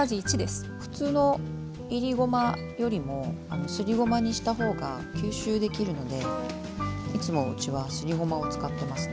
普通のいりごまよりもすりごまにした方が吸収できるのでいつもうちはすりごまを使ってます。